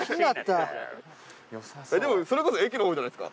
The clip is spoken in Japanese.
でもそれこそ駅のほうじゃないですか？